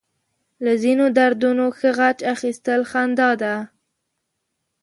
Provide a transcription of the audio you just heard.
له ځينو دردونو ښه غچ اخيستل خندا ده.